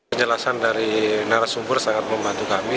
penjelasan dari narasumber sangat membantu kami